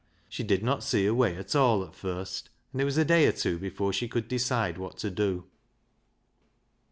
She did not see her way at all at first, and it was a day or two before she could decide what to do.